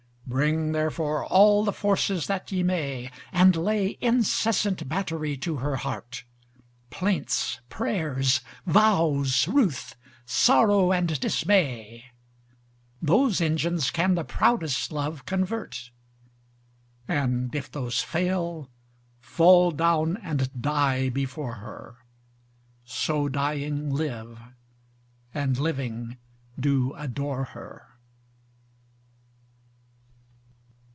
Bring therefore all the forces that ye may, And lay incessant battery to her heart, Plaints, prayers, vows, ruth, sorrow, and dismay, Those engines can the proudest love convert. And if those fail, fall down and die before her, So dying live, and living do adore her.